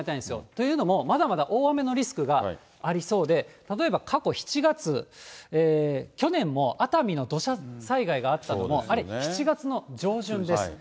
というのも、まだまだ大雨のリスクがありそうで、例えば過去７月、去年も熱海の土砂災害があったのも、あれ、７月の上旬です。